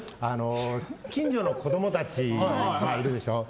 近所の子供たちがいるでしょ。